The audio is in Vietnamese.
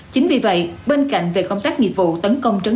chính vì vậy bên cạnh về công tác nghiệp vụ tấn công trấn